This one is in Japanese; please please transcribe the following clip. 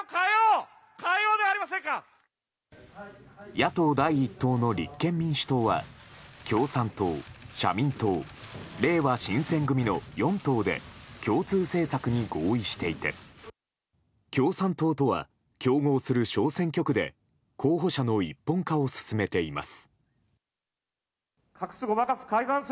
野党第一党の立憲民主党は共産党、社民党れいわ新選組の４党で共通政策に合意していて共産党とは競合する小選挙区で候補者の一本化を進めています。